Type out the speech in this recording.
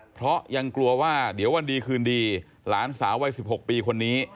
เพราะยังกลัวว่าเดี๋ยววันดีคืนดีหลานสาววัย๑๖ปีคนนี้